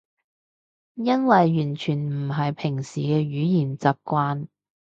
因為完全唔係平時嘅語言習慣